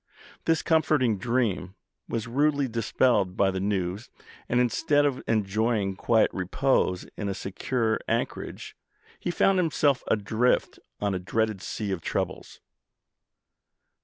This comforting dream was rudely dispelled by the news, and, instead of enjoying quiet repose in a secure anchorage, he found himself adrift on a dreaded sea of troubles.